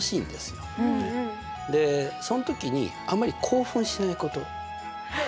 でそん時にあんまり興奮しないこと。